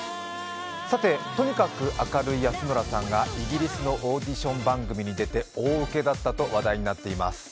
さて、とにかく明るい安村さんがイギリスのオーディション番組に出て大ウケだったと話題になっています。